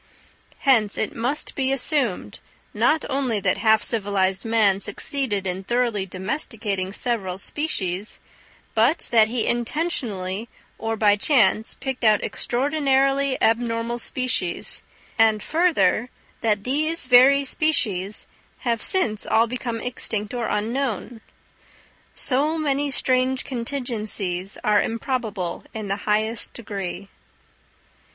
Hence it must be assumed, not only that half civilized man succeeded in thoroughly domesticating several species, but that he intentionally or by chance picked out extraordinarily abnormal species; and further, that these very species have since all become extinct or unknown. So many strange contingencies are improbable in the highest degree.